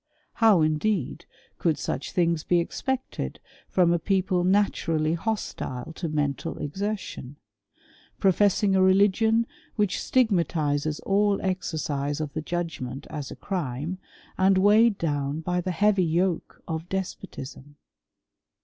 How, indeed, could such things be expected from a people naturally hostile to mental exertion; professing a religion which stigma tizes all esercise of the judgment as a crime, and weighed down by the heavy yoke of despotism?